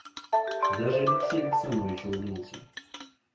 Даже Алексей Александрович улыбнулся.